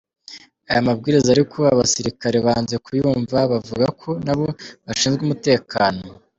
Aya mabwiriza ariko abasirikare banze kuyumva bavuga ko nabo bashinzwe umutekano.